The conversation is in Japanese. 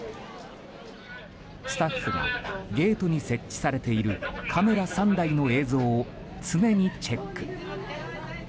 スタッフがゲートに設置されているカメラ３台の映像を常にチェック。